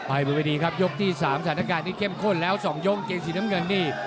ไปบริเวณนี้ครับยกที่๓สถานการณ์นี้เข้มข้นแล้ว๒ยกเกงสีน้ำเงินนี่